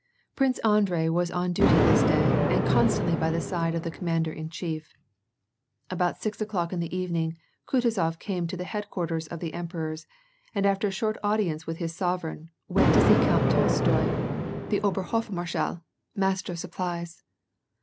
Prince Andrei was on duty this day, and constantly by the side of the commander in chief. About six o'clock in the evening, Kutuzof came to the head quarters of the emperors, and after a short audience with his sovereign, went to see Count Tolstoi, the Ober hofmarshal, master of supplies.